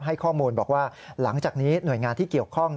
ให้ข้อมูลบอกว่าหลังจากนี้หน่วยงานที่เกี่ยวข้อง